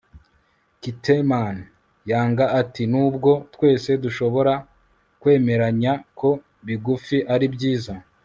kitterman yanga ati nubwo twese dushobora kwemeranya ko bigufi ari byiza